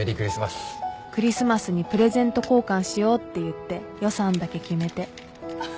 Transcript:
クリスマスにプレゼント交換しようって言って予算だけ決めていざ